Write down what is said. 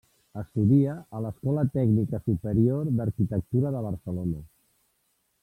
Estudia a l'Escola Tècnica Superior d'Arquitectura de Barcelona.